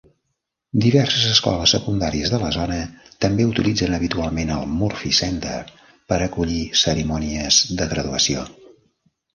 Diverses escoles secundàries de la zona també utilitzen habitualment el Murphy Center per acollir cerimònies de graduació.